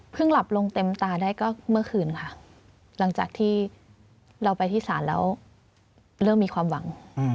หลับลงเต็มตาได้ก็เมื่อคืนค่ะหลังจากที่เราไปที่ศาลแล้วเริ่มมีความหวัง